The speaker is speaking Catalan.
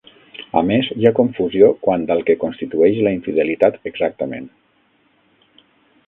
A més, hi ha confusió quant al que constitueix la infidelitat exactament.